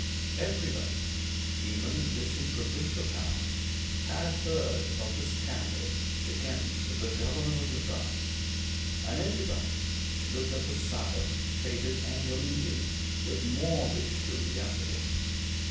Everybody, even in distant provincial towns, had heard of the scandal against the Governor of Madras; and everybody looked at the sallow, faded Anglo Indian with morbid curiosity.